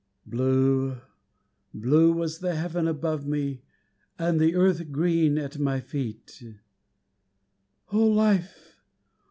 Blue, blue was the heaven above me, And the earth green at my feet; "Oh, Life!